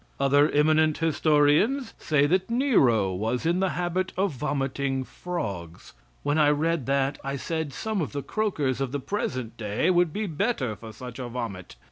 Other eminent historians say that Nero was in the habit of vomiting frogs. When I read that, I said some of the croakers of the present day would be better for such a vomit.